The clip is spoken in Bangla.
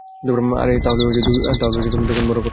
আরে, তাহলে দোকান বড় করো।